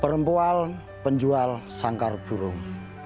perempuan penjual sangkar burung